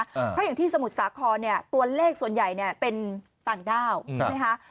เพราะอย่างที่สมุทรสาครเนี่ยตัวเลขส่วนใหญ่เนี่ยเป็นต่างด้าวใช่ไหมคะ